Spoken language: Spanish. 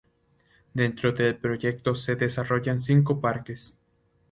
Dentro del Proyecto se desarrollan cinco parques.